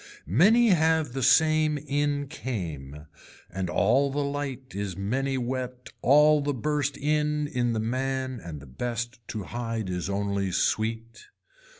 Many have the same in came and all the light is many wet all the burst in in the man and best to hide is only sweet.